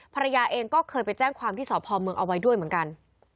ภรรยาเองก็เคยไปแจ้งความที่สพเมืองเอาไว้ด้วยเหมือนกัน